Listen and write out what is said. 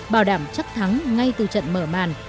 bảo đảm chắc thắng ngay từ trận mở màn